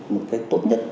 một cái tốt nhất